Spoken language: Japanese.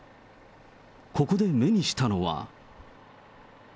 ここで目にしたのは。